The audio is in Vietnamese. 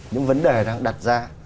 những vấn đề đang đặt ra